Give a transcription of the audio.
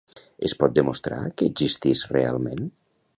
Es pot demostrar que existís realment?